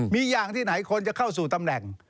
มีอย่างที่ไหนควรจะเข้าสู่ตำแหน่ง